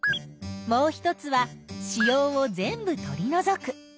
もう一つは子葉を全部とりのぞく。